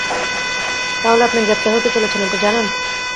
তাহলে, আপনি গ্রেপ্তার হতে চলেছেন, আপনি জানেন?